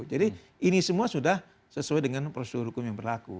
jadi ini semua sudah sesuai dengan prosedur hukum yang berlaku